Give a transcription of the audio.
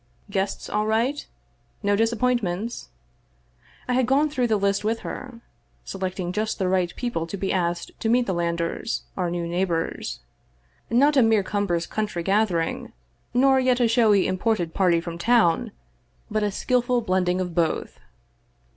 Guests all right? No disappointments? I had gone through the list with her, selecting just the right people to be asked to meet the Landors, our new neighbors. Not a mere cumbrous county gathering, nor yet a showy im ported party from town, but a skillful blending of both.